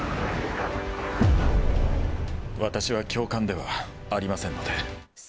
私は教官ではありませんので。